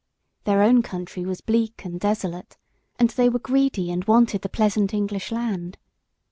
Their own country was bleak and desolate, and they were greedy and wanted the pleasant English land.